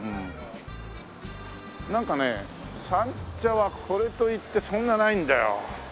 なんかね三茶はこれといってそんなないんだよ。